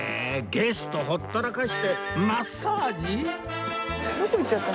ゲストほったらかしてマッサージ？